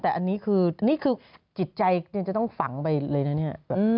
แต่อันนี้คือนี่คือจิตใจยังจะต้องฝังไปเลยนะเนี่ย